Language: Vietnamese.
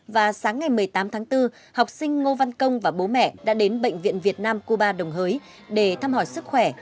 và sáng ngày một mươi tám tháng bốn học sinh ngô văn công và bố mẹ đã đến bệnh viện việt nam cuba đồng hới để thăm hỏi sức khỏe